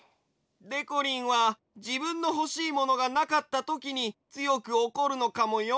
でこりんはじぶんのほしいものがなかったときにつよくおこるのかもよ。